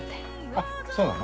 あっそうなの？